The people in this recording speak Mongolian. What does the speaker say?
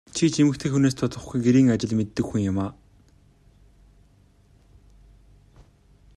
Чи ч эмэгтэй хүнээс дутахгүй гэрийн ажил мэддэг хүн юмаа.